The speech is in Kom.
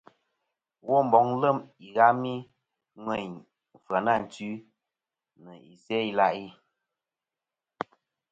Womboŋ lem ighami ŋweyn Fyanantwi, nɨ Isæ-ila'i.